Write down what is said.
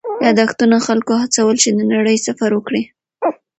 یادښتونه خلکو هڅول چې د نړۍ سفر وکړي.